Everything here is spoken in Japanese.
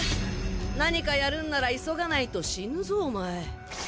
何かやるんなら急がないと死ぬぞお前。